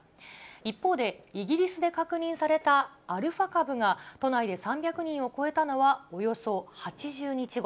一方で、イギリスで確認されたアルファ株が都内で３００人を超えたのはおよそ８０日後。